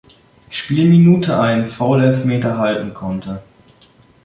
Spielminute einen Foulelfmeter halten konnte.